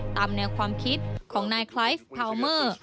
ตามแนวความคิดของนายไลท์พาวเมอร์